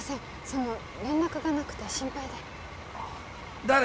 その連絡がなくて心配でああ・誰？